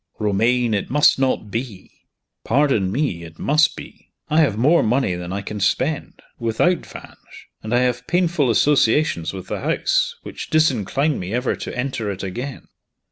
"Romayne, it must not be!" "Pardon me, it must be. I have more money than I can spend without Vange. And I have painful associations with the house which disincline me ever to enter it again."